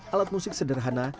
alat musik sederhana